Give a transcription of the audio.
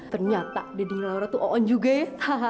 ternyata dedinya laura tuh oon juga ya